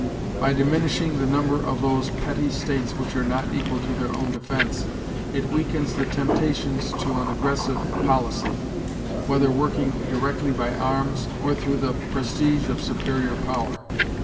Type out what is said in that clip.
By diminishing the number of those petty states which are not equal to their own defense, it weakens the temptations to an aggressive policy, whether working directly by arms, or through the prestige of superior power.